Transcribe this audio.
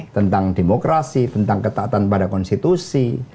tentang demokrasi tentang ketaatan pada konstitusi